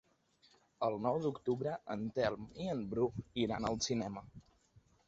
El nou d'octubre en Telm i en Bru iran al cinema.